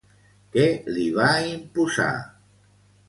Què li va imposar?